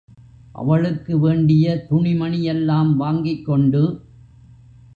அவளுக்கு வேண்டிய துணிமணி எல்லாம் வாங்கிக்கொண்டு.